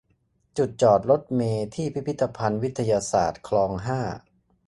จุดจอดรถเมล์ที่ พิพิธภัณฑ์วิทยาศาสตร์ คลอง ห้า